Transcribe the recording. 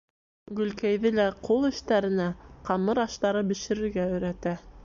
Гөлкәйҙе лә ҡул эштәренә, ҡамыр аштары бешерергә өйрәтә.